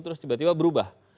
terus tiba tiba berubah